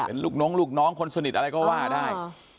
เป็นลูกน้องลูกน้องคนสนิทอะไรก็ว่าได้